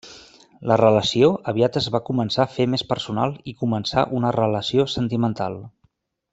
La relació aviat es va començar a fer més personal i començà una relació sentimental.